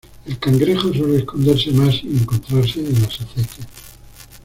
El cangrejo suele esconderse más y encontrarse en las acequias.